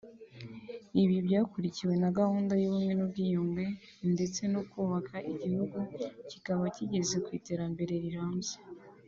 Ibi byakurikiwe na gahunda y’ubumwe n’ubwiyunge ndetse no kubaka igihugu kikaba kigeze ku iterambere rirambye